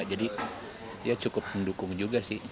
jadi ya cukup mendukung juga sih